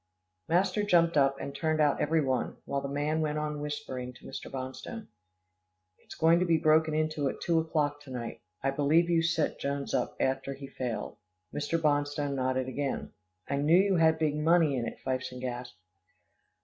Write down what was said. Master jumped up, and turned out every one, while the man went on whispering to Mr. Bonstone. "It's going to be broken into at two o'clock to night. I believe you set Jones up after he failed." Mr. Bonstone nodded again. "I knew you had big money in it," Fifeson gasped.